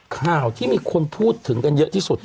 ข่าวที่มีคนพูดถึงกันเยอะที่สุด